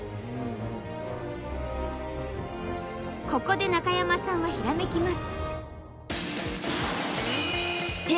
ここで中山さんはヒラメキます。